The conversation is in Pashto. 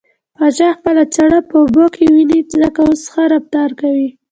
پاچا خپله چاړه په اوبو کې وينې ځکه اوس ښه رفتار کوي .